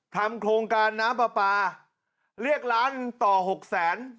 ทำโครงการน้ำปลาปลาเรียกล้านต่อหกแสน